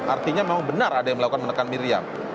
artinya memang benar ada yang melakukan menekan miriam